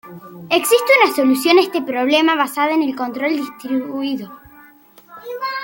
Existe una solución a este problema basada en el control distribuido.